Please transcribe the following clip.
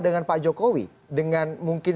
dengan pak jokowi dengan mungkin